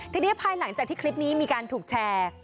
ทีนี้ภายหลังจากที่คลิปนี้มีการถูกแชร์